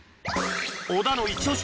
小田のイチ押し